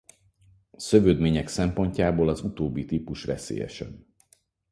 Szövődmények szempontjából az utóbbi típus veszélyesebb.